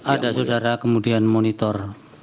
ada saudara kemudian monitor